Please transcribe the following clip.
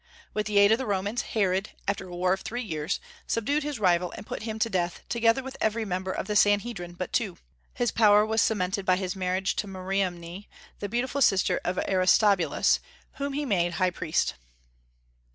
With the aid of the Romans, Herod, after a war of three years, subdued his rival and put him to death, together with every member of the Sanhedrim but two. His power was cemented by his marriage with Mariamne, the beautiful sister of Aristobulus, whom he made high priest.